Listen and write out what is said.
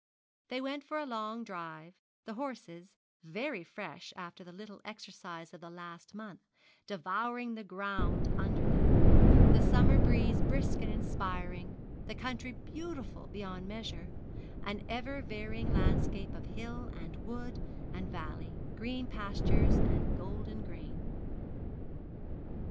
They went for a long drive, the horses, very fresh after the little exercise of the last month, devouring the ground under them the summer breeze brisk and inspiring the country beautiful beyond measure an ever varying landscape of hill and wood and valley, green pastures and golden grain.